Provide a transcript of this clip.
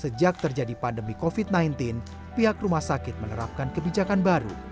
sejak terjadi pandemi covid sembilan belas pihak rumah sakit menerapkan kebijakan baru